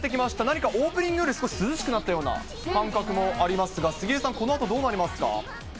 何かオープニングより少し涼しくなったような感覚もありますが、杉江さん、このあとどうなりますか。